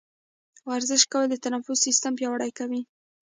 ورزش کول د تنفس سیستم پیاوړی کوي.